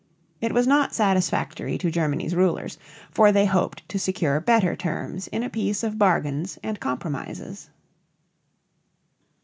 It was not satisfactory to Germany's rulers, for they hoped to secure better terms in a peace of bargains and compromises.